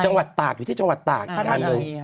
จังหวัดตากอยู่ที่จังหวัดตากอยู่ที่จังหวัดตาก